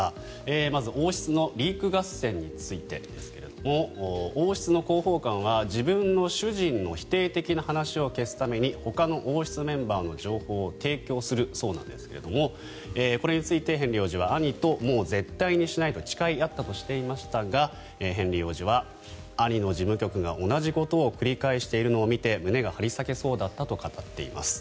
まず、王室のリーク合戦についてですが王室の広報官は自分の主人の否定的な話を消すためにほかの王室メンバーの情報を提供するそうなんですがこれについてヘンリー王子は兄ともう絶対にしないと誓い合ったとしていましたがヘンリー王子は兄の事務局が同じことを繰り返しているのを見て胸が張り裂けそうだったと語っています。